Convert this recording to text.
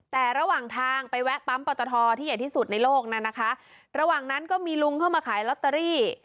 แต่ระหว่างทางไปแวะปั๊มปอตทที่ใหญ่ที่สุดในโลกนั้นนะคะระหว่างนั้นก็มีลุงเข้ามาขายลอตเตอรี่